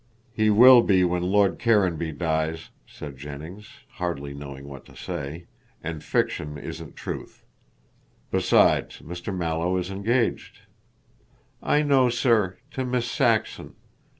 "He will be when Lord Caranby dies," said Jennings, hardly knowing what to say, "and fiction isn't truth. Besides, Mr. Mallow is engaged." "I know, sir to Miss Saxon.